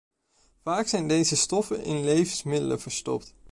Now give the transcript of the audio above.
Vaak zijn deze stoffen in levensmiddelen verstopt.